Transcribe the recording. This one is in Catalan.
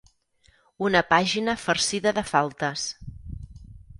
Una pàgina farcida de faltes.